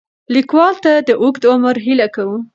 لیکوال ته د اوږد عمر هیله کوو.